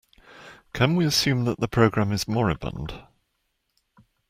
Can we assume that the program is moribund?